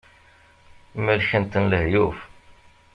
Melken-ten lehyuf.